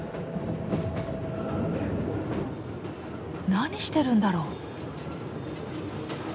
何してるんだろう？